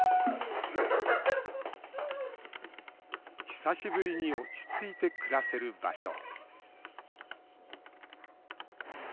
久しぶりに落ち着いて暮らせる場所。